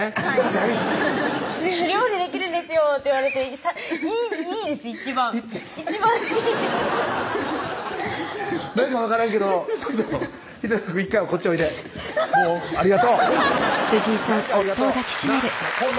大好き「料理できるんですよ」って言われていいです一番一番一番いいなんか分からんけどちょっと秀人くん１回こっちおいでありがとうなんかありがとうなっほんま